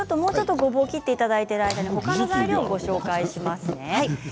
ごぼうを切っていただいている間に他の材料をご紹介しますね。